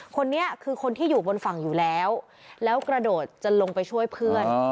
คนนี้คือคนที่อยู่บนฝั่งอยู่แล้วแล้วกระโดดจะลงไปช่วยเพื่อน